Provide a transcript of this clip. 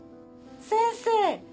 先生！